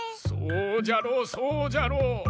そうじゃろうそうじゃろう。